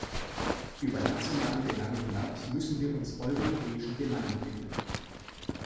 Über nationale Belange hinaus müssen wir uns europäischen Belangen widmen.